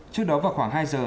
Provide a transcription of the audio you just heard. trước đó vào khoảng hai giờ